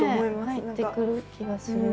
入ってくる気がする。